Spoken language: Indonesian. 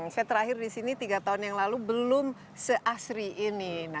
saya terakhir di sini tiga tahun yang lalu belum seasri ini